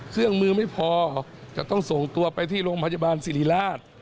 เครื่องมือไม่พอจะต้องส่งตัวไปที่โรงพยาบาลสิริราช